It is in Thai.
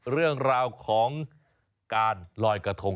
เรื่องราวของการลอยกระทง